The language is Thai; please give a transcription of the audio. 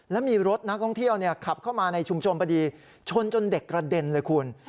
แล้วมีรถนักท่องเที่ยวขับเข้ามาในชุมชนพอดีชนจนเด็กกระเด็นเลยคุณ